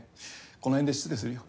このへんで失礼するよ。